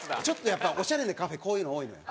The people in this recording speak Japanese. やっぱオシャレなカフェこういうの多いのよ。